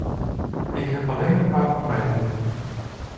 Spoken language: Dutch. Ik heb alleen een paar opmerkingen.